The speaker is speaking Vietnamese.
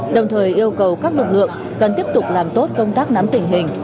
đồng thời yêu cầu các lực lượng cần tiếp tục làm tốt công tác nắm tình hình